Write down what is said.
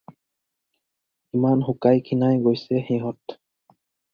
ইমান শুকাই-খীণাই গৈছে সিহঁত!